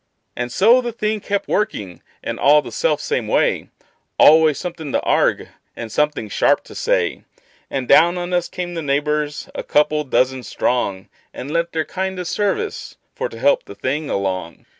And so the thing kept workin', and all the self same way; Always somethin' to arg'e, and somethin' sharp to say; And down on us came the neighbors, a couple dozen strong, And lent their kindest sarvice for to help the thing along.